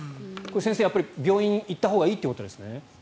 先生、病院に行ったほうがいいということですね。